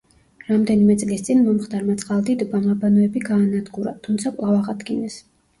რამდენიმე წლის წინ მომხდარმა წყალდიდობამ აბანოები გაანადგურა, თუმცა კვლავ აღადგინეს.